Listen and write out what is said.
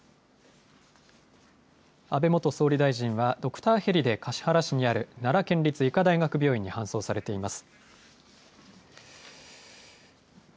安倍元総理大臣は、ドクターヘリで橿原市にある奈良県立医科大学病院に搬送されています。